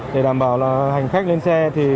để đảm bảo là hành khách lên xe